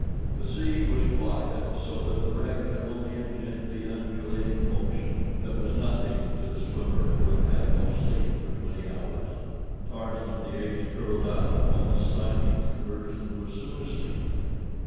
The sea was quiet, so that the wreck had only a gently undulating motion, that was nothing to the swimmer who had had no sleep for twenty hours. Tarzan of the Apes curled up upon the slimy timbers, and was soon asleep.